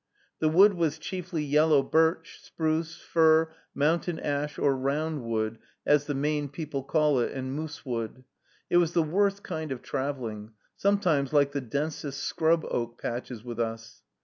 The wood was chiefly yellow birch, spruce, fir, mountain ash, or round wood, as the Maine people call it, and moose wood. It was the worst kind of traveling; sometimes like the densest scrub oak patches with us.